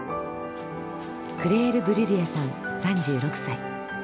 クレール・ブルディエさん３６歳。